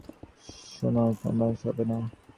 শুনে নার্ভাস মনে হচ্ছে।